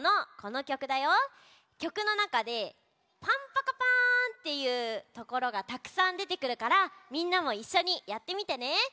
きょくのなかで「パンパカパーン」っていうところがたくさんでてくるからみんなもいっしょにやってみてね。